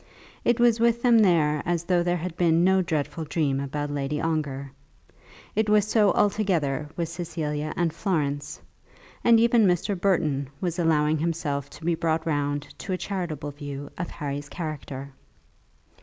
It was with them there as though there had been no dreadful dream about Lady Ongar. It was so altogether with Cecilia and Florence, and even Mr. Burton was allowing himself to be brought round to a charitable view of Harry's character.